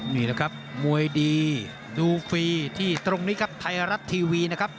นี่แหละครับมวยดีดูฟรีที่ตรงนี้ครับไทยรัฐทีวีนะครับ